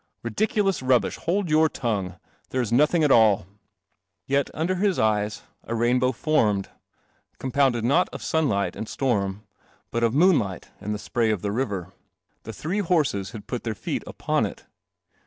Ridicu rubbish. Hold your tongue. There is no thing at all." Vet, under his c . .1 rainbow formed, com : sunlight and st< >rm,but of moon light and the spray 1 r the river. The three put their teet upon it.